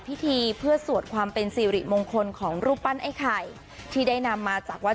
พิธีเพื่อสวดความเป็นสิริมงคลของรูปปั้นไอ้ไข่ที่ได้นำมาจากวัด